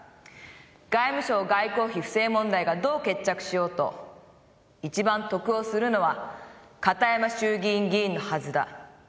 「外務省外交費不正問題がどう決着しようと一番得をするのは片山衆議院議員のはずだ」。